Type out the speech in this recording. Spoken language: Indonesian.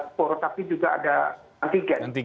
ada spor tapi juga ada antigen